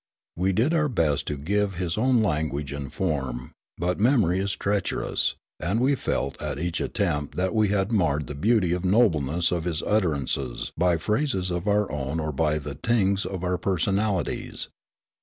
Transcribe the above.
We did our best to give his own language and form, but memory is treacherous, and we felt at each attempt that we had marred the beauty or nobleness of his utterances by phrases of our own or by the tinge of our personalities.